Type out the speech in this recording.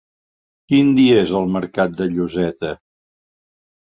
Quin dia és el mercat de Lloseta?